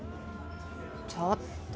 ちょっと！